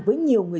với nhiều người